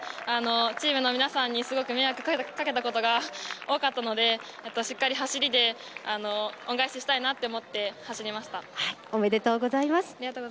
チームの皆さんにすごく迷惑をかけたことが多かったのでしっかり走りで恩返ししたいなとおめでとうございます。